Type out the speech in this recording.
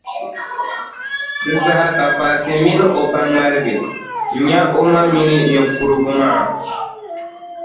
Di saha ka Fati mini o ba ŋmaligi n-nya o ma mini niŋkurugu maa.